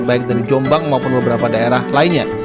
baik dari jombang maupun beberapa daerah lainnya